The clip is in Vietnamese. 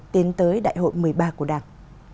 tiến tới đại hội một mươi ba của đảng